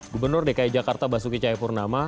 gubernur dki jakarta basuki cayapurnama